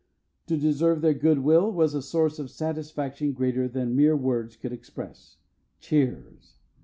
To deserve their good will was a source of satisfaction greater than mere words could express. (Cheers.)